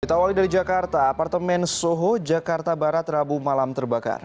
kita awali dari jakarta apartemen soho jakarta barat rabu malam terbakar